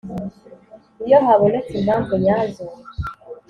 Iyo habonetse impamvu nyazo